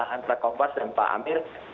antara kompas dan pak amir